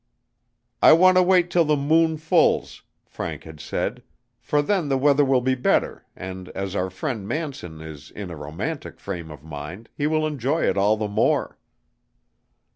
"I want to wait till the moon fulls," Frank had said, "for then the weather will be better, and as our friend Manson is in a romantic frame of mind, he will enjoy it all the more."